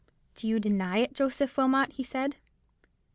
"'Do you deny it, Joseph Wilmot?' he asked.